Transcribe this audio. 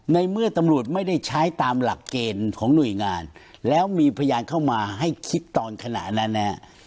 ในเมื่อตำรวจไม่ได้ใช้ตามหลักเกณฑ์ของหน่วยงานแล้วมีพยานเข้ามาให้คิดตอนขณะนั้นนะฮะ